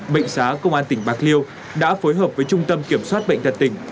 bệnh xá công an tỉnh bạc liêu đã phối hợp với trung tâm kiểm soát bệnh tật tỉnh